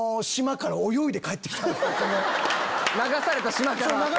流された島から！